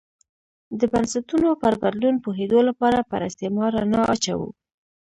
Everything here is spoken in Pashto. د بنسټونو پر بدلون پوهېدو لپاره پر استعمار رڼا اچوو.